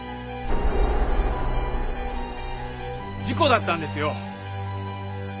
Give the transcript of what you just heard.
事故だったんですよ！